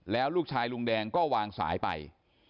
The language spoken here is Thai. แล้วลูกชายลุงแดงก็วางสายไป